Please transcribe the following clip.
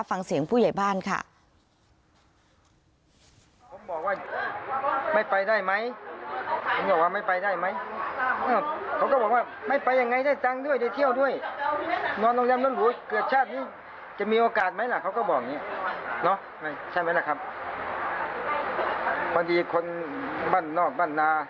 ฟังเสียงผู้ใหญ่บ้านค่ะ